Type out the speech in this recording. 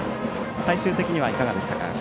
最終的にはいかがでしたか？